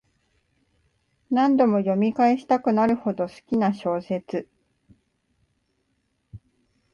何度も読み返したくなるほど好きな小説